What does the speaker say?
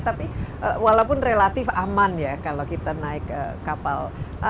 tapi walaupun relatif aman ya kalau kita naik kapal